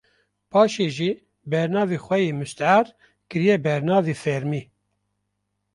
paşê jî bernavê xwe yê mustear kiriye bernavê fermî